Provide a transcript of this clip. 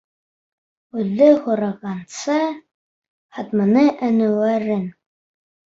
Үҙе һорағанса, һатманы Әнүәрен.